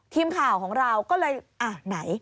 หลังคาของเราก็เลยอ่ะไหน